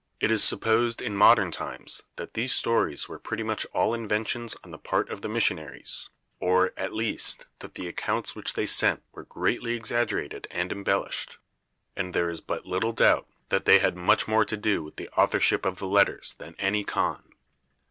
It is supposed, in modern times, that these stories were pretty much all inventions on the part of the missionaries, or, at least, that the accounts which they sent were greatly exaggerated and embellished; and there is but little doubt that they had much more to do with the authorship of the letters than any khan.